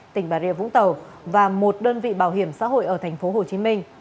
tỉnh bà rịa vũng tàu và một đơn vị bảo hiểm xã hội ở tp hcm